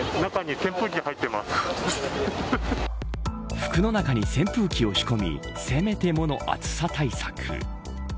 服の中に扇風機を仕込みせめてもの暑さ対策。